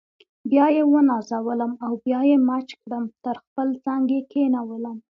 بیا یې ونازولم او بیا یې مچ کړم تر خپل څنګ یې کښېنولم.